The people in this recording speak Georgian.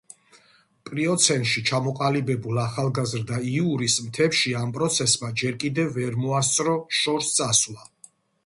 პლიოცენში ჩამოყალიბებულ ახალგაზრდა იურის მთებში ამ პროცესმა ჯერ კიდევ ვერ მოასწრო შორს წასვლა.